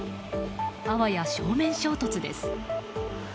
あわや正面衝突です。